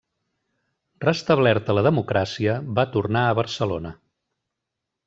Restablerta la democràcia, va tornar a Barcelona.